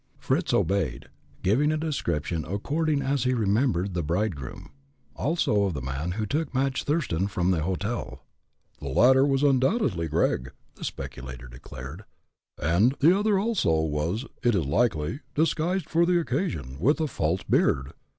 Fritz obeyed, giving a description according as he remembered the bridegroom also of the man who took Madge Thurston from the hotel. "The latter was undoubtedly Gregg," the speculator declared, "and the other also, was, it is likely, disguised for the occasion, with a false beard.